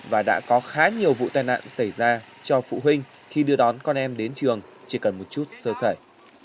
và đã có khá nhiều vụ tai nạn xảy ra cho phụ huynh khi đưa đón con em đến trường chỉ cần một chút sơ sẩy